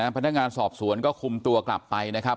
พนักงานสอบสวนก็คุมตัวกลับไปนะครับ